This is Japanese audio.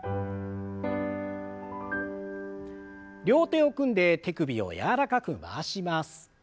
両手を組んで手首を柔らかく回します。